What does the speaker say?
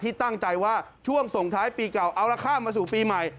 ตั้งใจว่าช่วงส่งท้ายปีเก่าเอาละข้ามมาสู่ปีใหม่